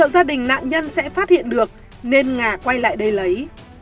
gia đình nạn nhân sẽ phát hiện được nên ngà quay lại đây lấy